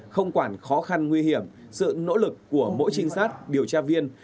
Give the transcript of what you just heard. không quản khó khăn nguy hiểm sự nỗ lực của mỗi trinh sát điều tra viên